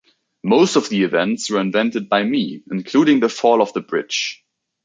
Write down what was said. Most of the events were invented by me, including the fall of the bridge.